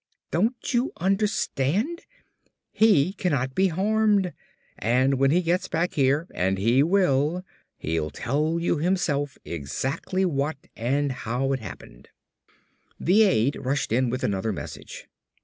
Don't you understand? He cannot be harmed! And when he gets back here, as he will, he'll tell us himself exactly what and how it happened." The aide rushed in with another message.